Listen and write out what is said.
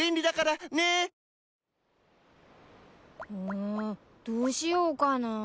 うんどうしようかなぁ。